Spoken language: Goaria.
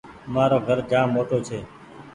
مآرو گھر جآم موٽو ڇي